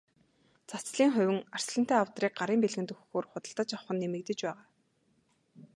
Цацлын хувин, арслантай авдрыг гарын бэлгэнд өгөхөөр худалдаж авах нь нэмэгдэж байгаа.